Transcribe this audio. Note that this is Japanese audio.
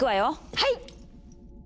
はい！